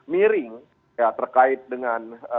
miring terkait dengan